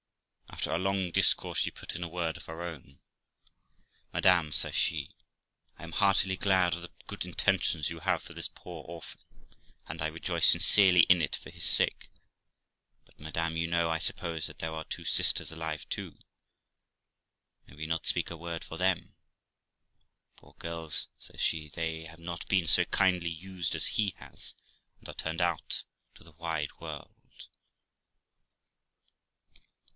After a long discourse, she put in a word of her own. ' Madam ', says she, 'I am heartily glad of the good intentions you have for this poor orphan, and I rejoice sincerely in it for his sake ; but, madam, you know, I suppose, that there are two sisters alive too ; may we not speak a word for them? Poor girls', says she, 'they have not been so kindly used as he has, and are turned out to the wide world.'